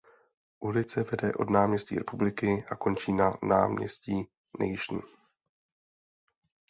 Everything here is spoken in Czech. Ulice vede od "náměstí Republiky" a končí na "náměstí Nation".